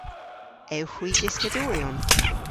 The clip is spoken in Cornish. Ewgh hwi dyskadoryon?